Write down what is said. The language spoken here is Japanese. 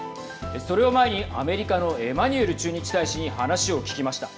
それを前にアメリカのエマニュエル駐日大使に話を聞きました。